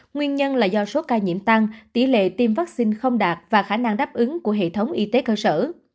nguyên nhân là do số ca nhiễm tăng tỷ lệ tiêm vaccine không đạt và khả năng đáp ứng của hệ thống y tế cơ sở